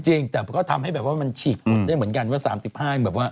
จริงแต่มันก็ทำให้แบบว่ามันฉีกหมดได้เหมือนกันว่า๓๕แบบว่า